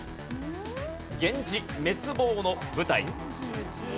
源氏滅亡の舞台。